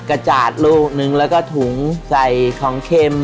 กระจาดลูกนึงแล้วก็ถุงใส่ของเค็ม